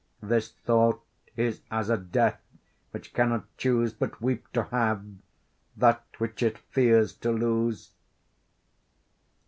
This thought is as a death which cannot choose But weep to have, that which it fears to lose.